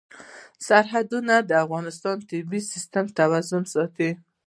سرحدونه د افغانستان د طبعي سیسټم توازن ساتي.